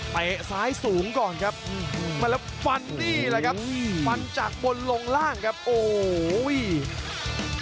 ซ้ายสูงก่อนครับมาแล้วฟันนี่แหละครับฟันจากบนลงล่างครับโอ้โห